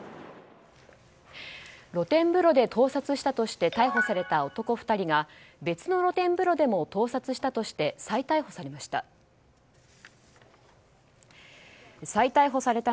露天風呂で盗撮したとして逮捕された男２人が別の露天風呂でも盗撮したとして再逮捕されました。